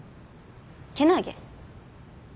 けなげ？